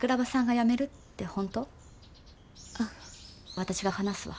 私が話すわ。